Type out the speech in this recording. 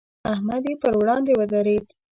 احمد یې پر وړاندې ودرېد.